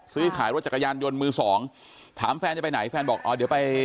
ซื้อขายรถจักรยานยนต์มือสองถามแฟนจะไปไหนแฟนบอกอ๋อเดี๋ยวไป